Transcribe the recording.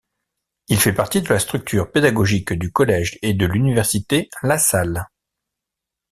Il fait partie de la structure pédagogique du collège et de l'université La Salle.